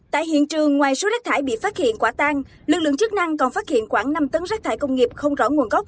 tại hiện trường ngoài số rác thải bị phát hiện quả tang lực lượng chức năng còn phát hiện khoảng năm tấn rác thải công nghiệp không rõ nguồn gốc